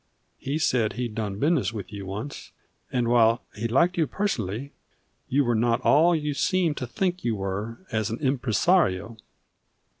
He said he'd done business with you once, and while he liked you personally you were not all you seemed to think you were as an impresario."